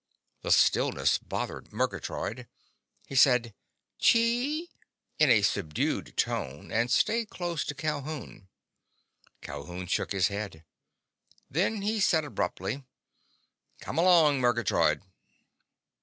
The stillness bothered Murgatroyd. He said, "Chee!" in a subdued tone and stayed close to Calhoun. Calhoun shook his head. Then he said abruptly: "Come along, Murgatroyd!"